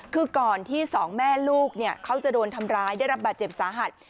คือก่อนที่สองแม่ลูกเขาจะโดนทำร้ายได้รับบาดเจ็บสาหัส